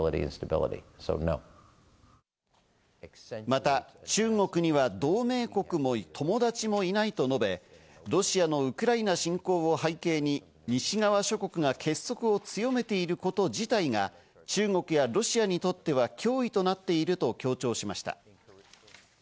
また中国には同盟国も友達もいないと述べ、ロシアのウクライナ侵攻を背景に、西側諸国が結束を強めていること自体が中国やロシアにとっては脅威となっていると強調しました。